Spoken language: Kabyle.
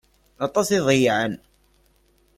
Aṭas i ḍeyyεen.